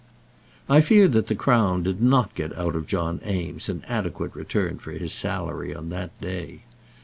I fear that the Crown did not get out of John Eames an adequate return for his salary on that day.